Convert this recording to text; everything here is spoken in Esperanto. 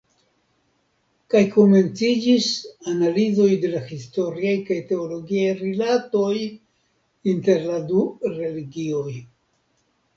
Kaj komenciĝis analizoj de la historiaj kaj teologiaj rilatoj inter la du religioj.